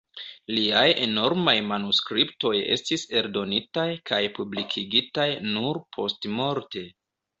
Liaj enormaj manuskriptoj estis eldonitaj kaj publikigitaj nur postmorte.